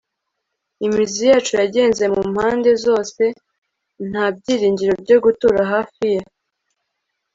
imizi yacu yagenze mu mpande zose, nta byiringiro byo gutura hafi ye